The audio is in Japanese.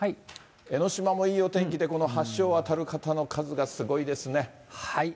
江の島もいいお天気で、この橋を渡る方の数がすごいですね。